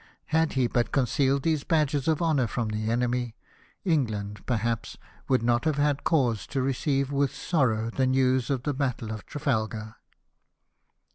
Had he but concealed these badges of honour from the enemy, England, perhaps, would not have had cause to receive with sorrow the news of the Battle of Trafalgar.